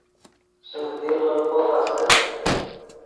سوڤدیغے پوخ استت